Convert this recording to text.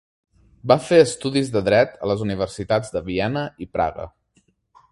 Va fer estudis de Dret a les universitats de Viena i Praga.